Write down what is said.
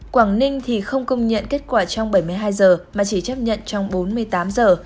quảng ninh thì không công nhận kết quả trong bảy mươi hai giờ mà chỉ chấp nhận trong bốn mươi tám giờ